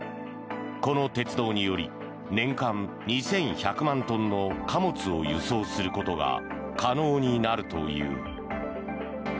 この鉄道により年間２１００万トンの貨物を輸送することが可能になるという。